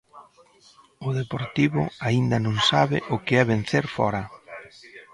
O Deportivo aínda non sabe o que é vencer fóra.